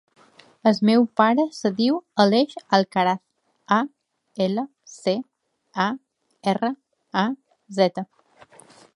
El meu pare es diu Aleix Alcaraz: a, ela, ce, a, erra, a, zeta.